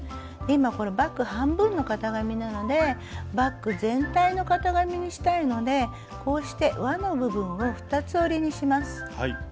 今バッグ半分の型紙なのでバッグ全体の型紙にしたいのでこうして「わ」の部分を二つ折りにします。